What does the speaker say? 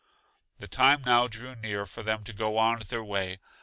The time now drew near for them to go on their way.